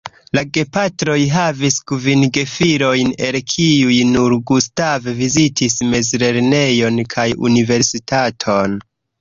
La gepatroj havis kvin gefilojn, el kiuj nur Gustav vizitis mezlernejon kaj Universitaton.